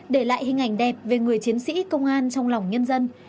để lại hình ảnh đẹp về người chiến sĩ công an trong lòng nhân dân